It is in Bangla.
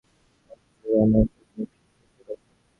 সন্তোষে রমাইয়ের চোখ মিটমিট করিতে লাগিল।